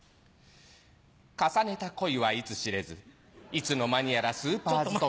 重ねた恋はいつ知れずいつの間にやらスーパー勤め。